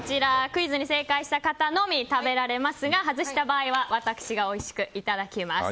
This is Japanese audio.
クイズに正解した方のみ食べられますが、外した場合は私がおいしくいただきます。